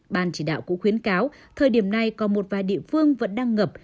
ban chỉ đạo cũng khuyến cáo thời điểm này có một vài địa phương vẫn đang ngập